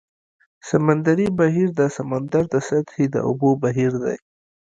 سمندري بهیر د سمندر د سطحې د اوبو بهیر دی.